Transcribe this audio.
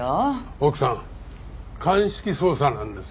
奥さん鑑識捜査なんです。